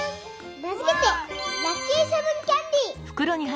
名づけて「ラッキーセブンキャンディー」！